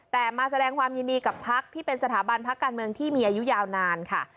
แต่มาแสดงความยินดีกับพักที่เป็นสถาบันพักการเมืองที่มีอายุยาวนานค่ะ